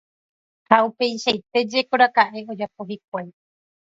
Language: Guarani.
Ha upeichaite jekoraka'e ojapo hikuái.